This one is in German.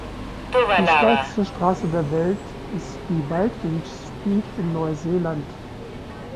Die steilste Straße der Welt ist die Baldwin Street in Neuseeland.